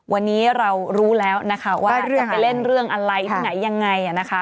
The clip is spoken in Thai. วันนี้เรารู้แล้วนะคะว่าจะไปเล่นเรื่องอะไรที่ไหนยังไงนะคะ